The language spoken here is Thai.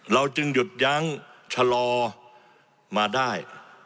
เราจึงหยุดยั้งชะลอมาได้